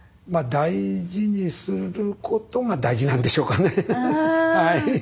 まあ大事にすることが大事なんでしょうかね。